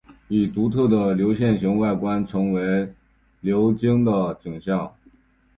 以独特的流线型外观成为流经的景象。